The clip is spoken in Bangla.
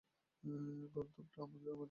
গর্দভটা আমাকে ছেড়ে চলে গেছে।